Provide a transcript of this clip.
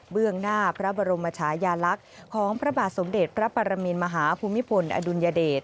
หน้าพระบรมชายาลักษณ์ของพระบาทสมเด็จพระปรมินมหาภูมิพลอดุลยเดช